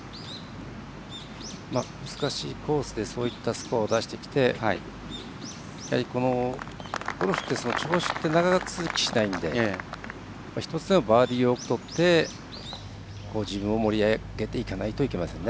難しいコースでそういったスコアを出してきてゴルフって調子ってなかなか長続きしないので１つでもバーディーを多くとって自分を盛り上げていかないといけませんね。